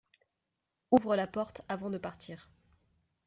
Ouvre la porte avant de partir.